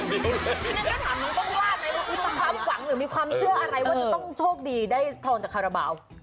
มีความหวังหรือมีความเชื่ออะไรว่าต้องโชคดีได้ทองจากคาราบาล